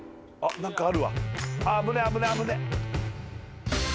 何かある。